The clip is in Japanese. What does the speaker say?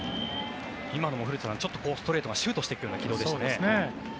今のも古田さんストレートがシュートしていくような軌道でしたね。